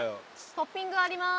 トッピングあります。